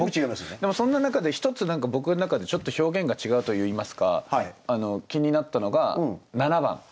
でもそんな中で一つ何か僕の中でちょっと表現が違うといいますか気になったのが７番。